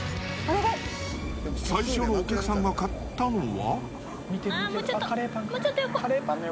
最初のお客さんが買ったのは。